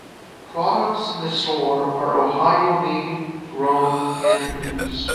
Products in the store are Ohio made, grown and produced.